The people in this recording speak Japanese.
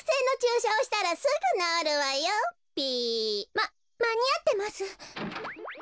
ままにあってます。